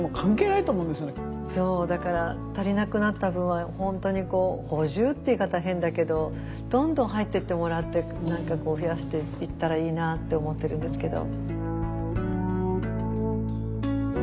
だから足りなくなった分は本当に補充っていう言い方は変だけどどんどん入ってってもらって何かこう増やしていったらいいなって思ってるんですけど。